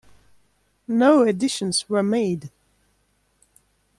No additions were made.